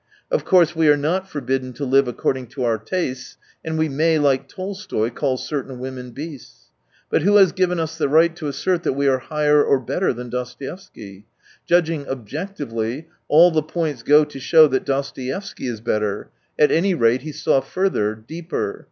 Of course, we are not forbidden to live according to our tastes, and we may, like Tolstoy, call certain women " beasts." But who has given us the right to assert that we" are higher or better than Dostoevsky ? Judging " objectively," all the points go to show that Dostoevsky is better — at any rate he saw further, deeper.